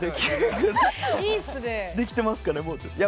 できてますかね？